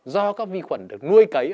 do các vi khuẩn được nuôi cấy